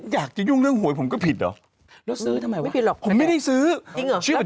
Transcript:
อยากจะยุ่งเรื่องหวยผมก็ผิดเหรอ